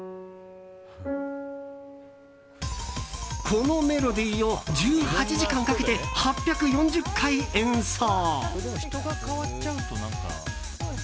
このメロディーを１８時間かけて８４０回演奏。